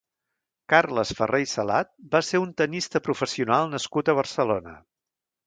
Carles Ferrer i Salat va ser un tennista professional nascut a Barcelona.